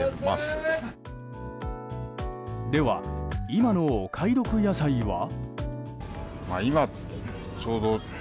今のお買い得野菜は？